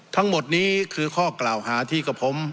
ทั้งหมดนี้คือข้อกล่าวหาที่กับผม